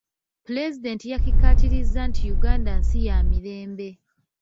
Pulezidenti yakikaatirizza nti Uganda nsi ya mirembe.